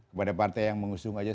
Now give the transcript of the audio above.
kepada partai yang mengusung aja